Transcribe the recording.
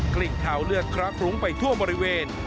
กลิ่นเท้าเลือดคลักคลุ้งไปทั่วบริเวณ